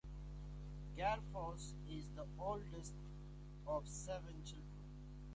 Garfors is the oldest of seven children.